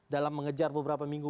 dalam mengejar beberapa minggu